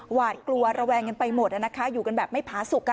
หวาดกลัวระแวงกันไปหมดนะคะอยู่กันแบบไม่ผาสุข